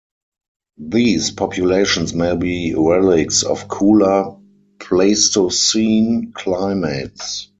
These populations may be relics of cooler Pleistocene climates.